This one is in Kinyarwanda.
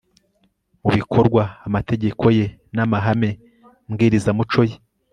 mu bikorwa amategeko ye n amahame mbwirizamuco ye